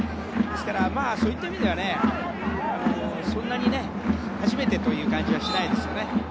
ですから、そういった意味ではそんなに初めてという感じはしないですよね。